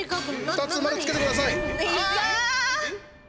２つ、丸つけてください！